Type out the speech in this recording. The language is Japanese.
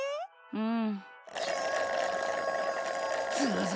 うん！